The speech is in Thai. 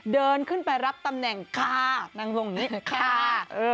เดินขึ้นไปรับตำแหน่งข้านางทรงนี้ข้า